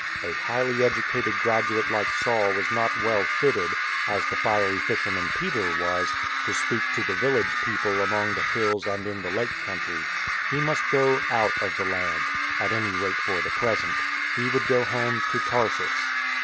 A highly educated graduate like Saul was » Gal. vi. 17. 96 IN TRAINING not well fitted — as the fiery fisherman Peter was — to speak to the village people among the hills and in the Lake country. He must go out of the land — at any rate for the present. He would go home to Tarsus.